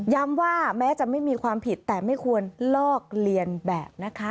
ว่าแม้จะไม่มีความผิดแต่ไม่ควรลอกเลียนแบบนะคะ